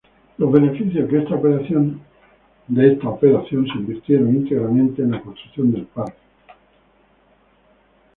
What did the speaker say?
Los beneficios que esta operación se invirtieron íntegramente en la construcción del parque.